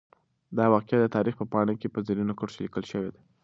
دا واقعه د تاریخ په پاڼو کې په زرینو کرښو لیکل شوې ده.